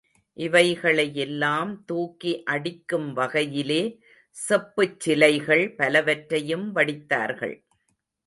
இவைகளையெல்லாம் தூக்கி அடிக்கும் வகையிலே செப்புச் சிலைகள் பலவற்றையும் வடித்தார்கள்.